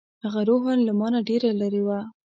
هغه روحاً له ما نه ډېره لرې وه.